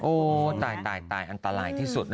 โอ้โฮตายอันตรายที่สุด